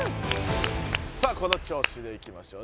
この調子でいきましょう。